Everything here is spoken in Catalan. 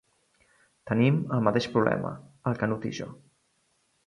Tenim el mateix problema, el Canut i jo.